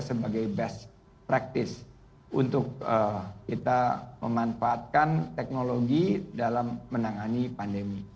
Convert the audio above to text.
sebagai best practice untuk kita memanfaatkan teknologi dalam menangani pandemi